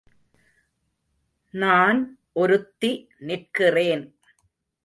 நான் ஒருத்தி நிற்கிறேன்.